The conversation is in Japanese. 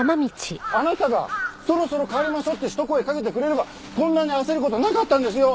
あなたがそろそろ帰りましょうってひと声かけてくれればこんなに焦る事なかったんですよ！